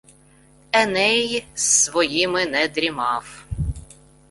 Еней з своїми не дрімав.